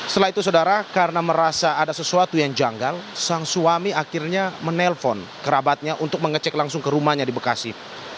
setelah itu saudara karena merasa ada sesuatu yang janggal sang suami akhirnya menelpon kerabatnya untuk mengecek langsung ke rumahnya di bekasi